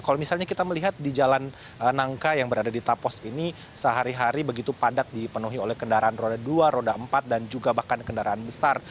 kalau misalnya kita melihat di jalan nangka yang berada di tapos ini sehari hari begitu padat dipenuhi oleh kendaraan roda dua roda empat dan juga bahkan kendaraan besar